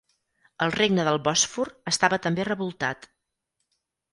El regne del Bòsfor estava també revoltat.